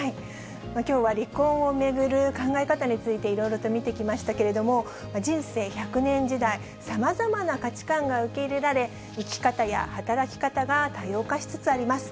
きょうは離婚を巡る考え方についていろいろと見てきましたけれども、人生１００年時代、さまざまな価値観が受け入れられ、生き方や働き方が多様化しつつあります。